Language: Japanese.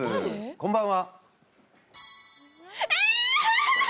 こんばんは。